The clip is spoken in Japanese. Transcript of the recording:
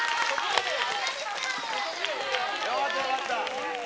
よかった、よかった。